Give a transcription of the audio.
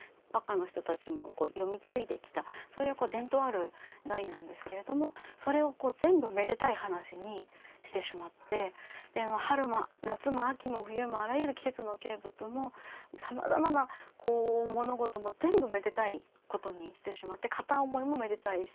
和歌の人たちも詠み継いできたそういう伝統ある題なんですけれどもそれを全部めでたい話にしてしまって春も夏も秋も冬もあらゆる季節の景物もさまざまな物事も全部めでたいことにしてしまって片思いもめでたいし